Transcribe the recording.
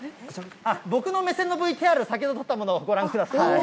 僕の目線のＶＴＲを、先ほど撮ったものをご覧ください。